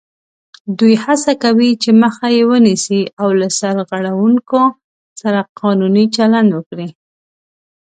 دوی هڅه کوي چې مخه یې ونیسي او له سرغړوونکو سره قانوني چلند وکړي